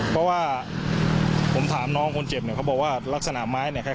เพราะว่าผมถามน้องคนเจ็บเนี่ยเขาบอกว่าลักษณะไม้เนี่ย